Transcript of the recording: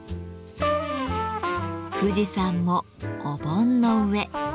富士山もお盆の上。